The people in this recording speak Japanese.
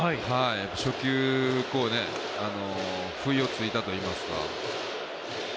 初球以降、不意を突いたといいますか。